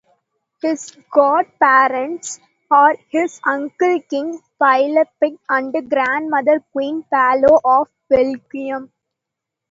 His godparents are his uncle King Philippe and grandmother Queen Paola of Belgium.